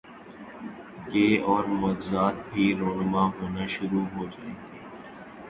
گے اور معجزات بھی رونما ہونا شرو ع ہو جائیں گے۔